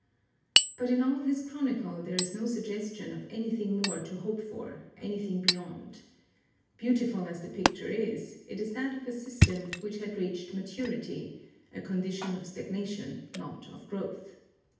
But in all his chronicle there is no suggestion of anything more to hope for, anything beyond. Beautiful as the picture is, it is that of a system which had reached maturity: a condition of stagnation, not of growth.